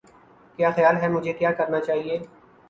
کیا خیال ہے مجھے کیا کرنا چاہئے